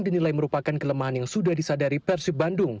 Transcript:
dinilai merupakan kelemahan yang sudah disadari persib bandung